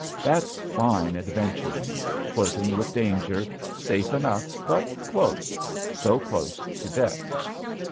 That's fine adventuring! flirting with danger, safe enough but close so close to death.